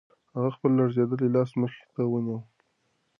هغه خپل لړزېدلی لاس مخې ته ونیو.